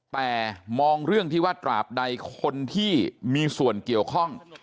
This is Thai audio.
แต่มองเรื่องที่ว่าตราบใดคนที่มีส่วนเกี่ยวข้อง